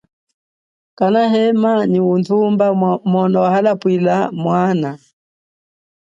Kana hema nyi udumba mono wahapwila mwana.